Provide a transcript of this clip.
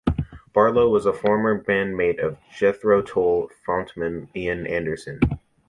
Barlow was a former bandmate of Jethro Tull frontman Ian Anderson.